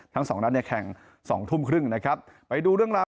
ทั้งสองนัดเนี่ยแข่งสองทุ่มครึ่งนะครับไปดูเรื่องราว